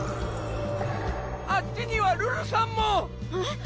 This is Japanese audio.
あっちにはるるさんも！えっ！？